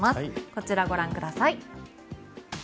こちら、ご覧ください。